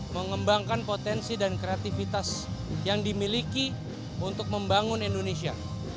mengembangkan potensi dan kreativitas yang dimiliki untuk membangun indonesia